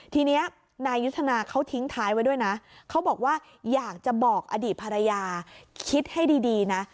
ทีนี้นายยุทธนาเขาทิ้งท้ายไว้ด้วยนะเขาบอกว่าอยากจะบอกอดีตภรรยาคิดให้ดีนะ